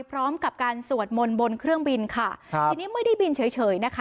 พร้อมกับการสวดมนต์บนเครื่องบินค่ะครับทีนี้ไม่ได้บินเฉยเฉยนะคะ